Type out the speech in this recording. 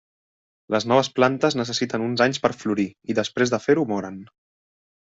Les noves plantes necessiten uns anys per a florir, i després de fer-ho moren.